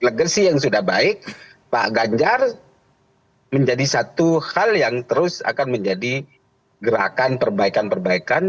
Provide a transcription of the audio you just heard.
legasi yang sudah baik pak ganjar menjadi satu hal yang terus akan menjadi gerakan perbaikan perbaikan